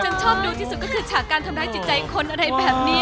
ฉันชอบดูที่สุดก็คือฉากการทำร้ายจิตใจคนอะไรแบบนี้